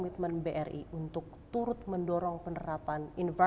dan itu adalah